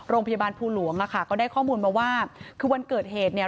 โรงพยาบาลภูหลวงอะค่ะก็ได้ข้อมูลมาว่าคือวันเกิดเหตุเนี่ย